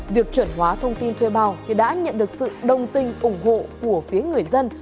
việc chuẩn hóa thông tin thuê bao đã nhận được sự đồng tình ủng hộ của phía người dân